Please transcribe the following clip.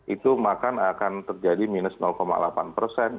itu akan terjadi minus delapan persen